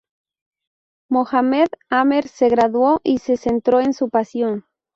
Mohammed Amer se graduó y se centró en su pasión.